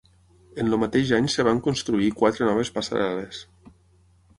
En el mateix any es van construir quatre noves passarel·les.